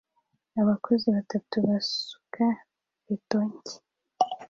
Abakozi batatu basuka beto nshya